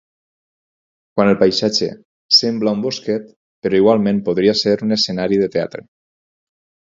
Quant al paisatge, sembla un bosquet, però igualment podria ser un escenari de teatre.